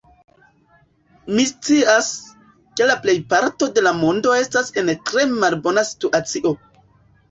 Mi scias, ke la plejparto de la mondo estas en tre malbona situacio.